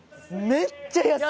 めっちゃ安い！